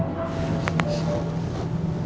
ya aku keluar dulu ya